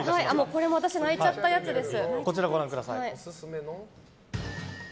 これ私泣いちゃったやつです。